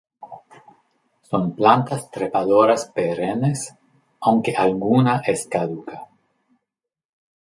Son plantas trepadoras perennes, aunque alguna es caduca.